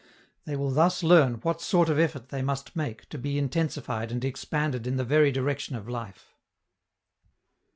They will thus learn what sort of effort they must make to be intensified and expanded in the very direction of life.